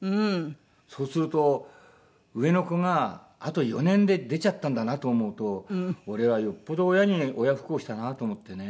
そうすると上の子があと４年で出ちゃったんだなと思うと俺はよっぽど親に親不孝したなと思ってね。